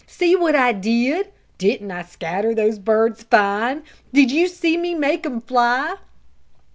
See what I did! Didn't I scatter those birds fine? Did you see me make 'em fly!"